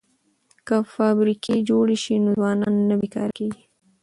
که فابریکې جوړې شي نو ځوانان نه بې کاره کیږي.